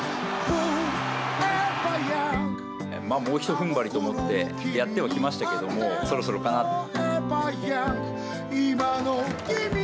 もうひと踏ん張りと思ってやってはきましたけども、そろそろかなって。